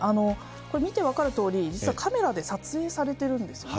これ見てわかるとおり、実はカメラで撮影されてるんですよね。